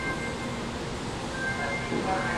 ژوند له میني سره خوږ